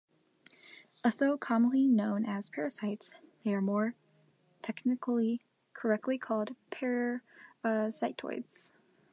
Although commonly known as parasites, they are more technically correctly called parasitoids.